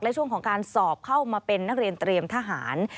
และช่วงของการสอบเข้ามาเป็นนักเรียนเตรียมทหาร